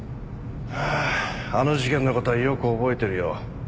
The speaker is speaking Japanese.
あああの事件の事はよく覚えてるよ。